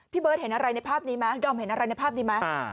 เบิร์ตเห็นอะไรในภาพนี้ไหมดอมเห็นอะไรในภาพนี้ไหม